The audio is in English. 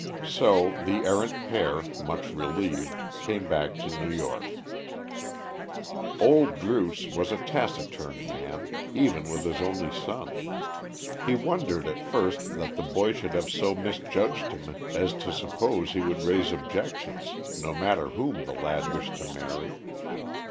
So the errant pair, much relieved, came back to New York. Old Druce was a taciturn man, even with his only son. He wondered at first that the boy should have so misjudged him as to suppose he would raise objections, no matter whom the lad wished to marry.